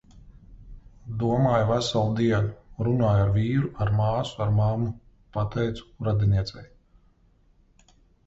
Domāju veselu dienu. Runāju ar vīru, ar māsu, ar mammu. Pateicu radiniecei.